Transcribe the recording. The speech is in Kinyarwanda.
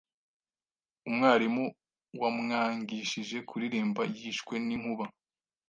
Umwarimu wamwangishije kuririmba yishwe n’inkuba